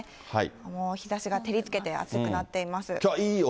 もう日ざしが照りつけて、暑くなっています。